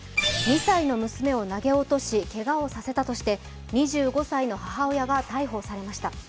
２歳の娘を投げ落としけがをさせたとして２５歳の母親が逮捕されました。